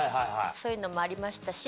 そういうのもありましたし。